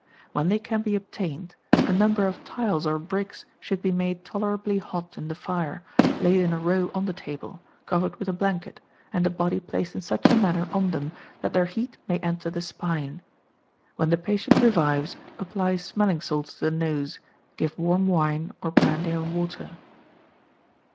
When they can be obtained, a number of tiles or bricks should be made tolerably hot in the fire, laid in a row on the table, covered with a blanket, and the body placed in such a manner on them, that their heat may enter the spine. When the patient revives, apply smelling salts to the nose, give warm wine or brandy and water.